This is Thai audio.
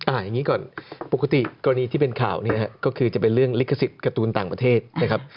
อย่างนี้ก่อนปกติกรณีที่เป็นข่าวเนี่ยก็คือจะเป็นเรื่องลิขสิทธิ์การ์ตูนต่างประเทศนะครับ